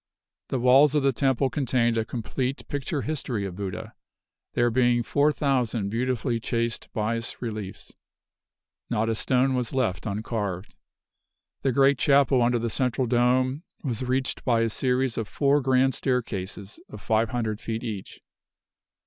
The walls of the temple contained a complete picture history of Buddha, there being four thousand beautifully chased bas reliefs. Not a stone was left uncarved. The great chapel under the central dome was reached by a series of four grand staircases of five hundred feet each.